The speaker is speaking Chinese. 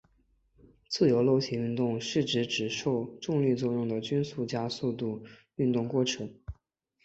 自由落体运动是指只受重力作用的均匀加速度运动过程。